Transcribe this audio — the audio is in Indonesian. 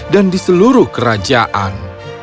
dan di seluruh kerajaan